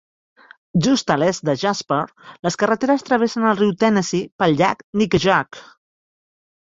Just a l'est de Jasper, les carreteres travessen el riu Tennessee pel llac Nickajack.